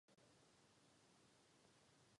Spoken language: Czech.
Neexistuje jiný způsob.